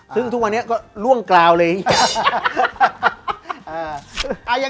ซึ่งทุกวันนี้ก็ล่วงกราวเลย